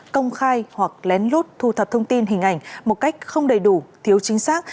công khai hoặc lén lút thu thập thông tin hình ảnh một cách không đầy đủ thiếu chính xác